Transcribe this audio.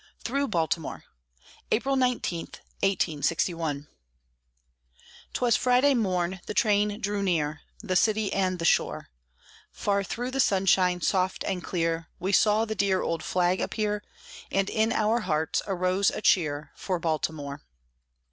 THROUGH BALTIMORE [April 19, 1861] 'Twas Friday morn: the train drew near The city and the shore. Far through the sunshine, soft and clear, We saw the dear old flag appear, And in our hearts arose a cheer For Baltimore.